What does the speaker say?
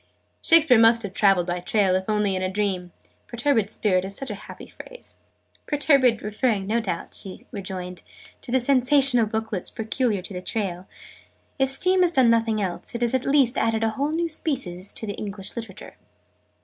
"Shakespeare must have traveled by rail, if only in a dream: 'perturbed Spirit' is such a happy phrase." "'Perturbed' referring, no doubt," she rejoined, "to the sensational booklets peculiar to the Rail. If Steam has done nothing else, it has at least added a whole new Species to English Literature!"